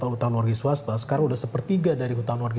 kan menjadi grooming bandanya sendiri